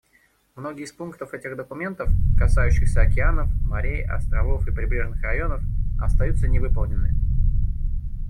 Многие из пунктов этих документов, касающиеся океанов, морей, островов и прибрежных районов, остаются невыполненными.